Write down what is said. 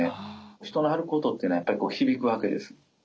人の歩く音っていうのはやっぱり響くわけです。